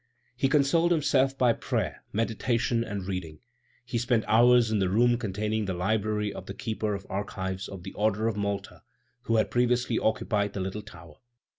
He consoled himself by prayer, meditation, and reading. He spent hours in the room containing the library of the keeper of archives of the Order of Malta, who had previously occupied the little tower.